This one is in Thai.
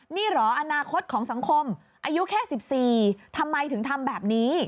นี่เหรออนาคตของสังคมอายุแค่๑๔ทำไมถึงทำแบบนี้